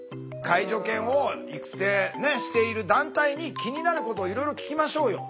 介助犬を育成している団体に気になることをいろいろ聞きましょうよ。